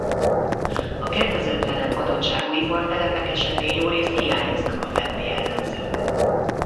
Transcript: A kedvezőtlenebb adottságú ipartelepek esetén jórészt hiányoznak a fenti jellemzők.